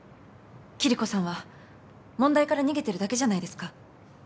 キリコさんは問題から逃げてるだけじゃないですか？